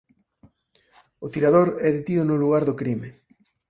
O tirador é detido no lugar do crime.